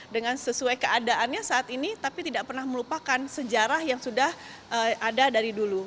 dengan sesuai keadaannya saat ini tapi tidak pernah melupakan sejarah yang sudah ada dari dulu